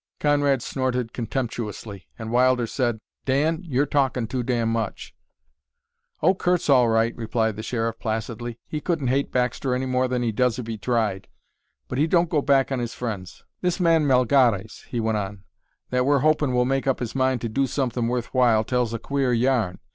Conrad snorted contemptuously, and Wilder said, "Dan, you're talkin' too damn much." "Oh, Curt's all right," replied the Sheriff, placidly. "He couldn't hate Baxter any more than he does if he tried, but he don't go back on his friends. This man Melgares," he went on, "that we're hopin' will make up his mind to do somethin' worth while, tells a queer yarn.